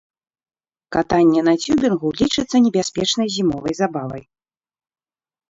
Катанне на цюбінгу лічыцца небяспечнай зімовай забавай.